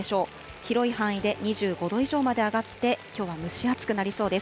広い範囲で２５度以上まで上がって、きょうは蒸し暑くなりそうです。